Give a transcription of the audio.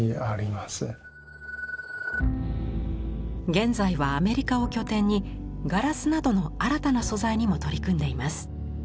現在はアメリカを拠点にガラスなどの新たな素材にも取り組んでいます。